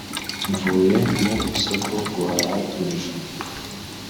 Mvuye mu isoko guhaha ibijumba.